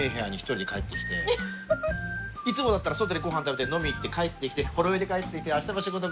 いつもだったら外でご飯食べて飲み行って帰ってきてほろ酔いで帰ってきて「あしたも仕事頑張るぞ」